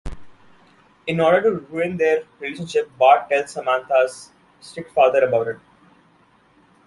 In order to ruin their relationship, Bart tells Samantha's strict father about it.